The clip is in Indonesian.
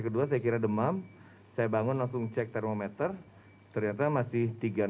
kedua saya kira demam saya bangun langsung cek termometer ternyata masih tiga enam